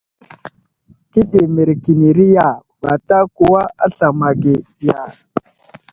Kəɗeremekeneri ya, vatak kəwa aslam ma ge ya ?